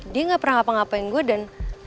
dia gak pernah ngapa ngapain gue dan